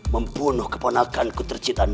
membunuh keponakan kutercintanan